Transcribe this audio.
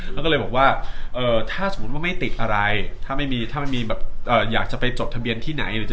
เขาก็เลยบอกว่าเอ่อถ้าสมมุติว่าไม่ติดอะไรถ้าไม่มีแบบเอ่ออยากจะไปจดทะเบียนที่ไหน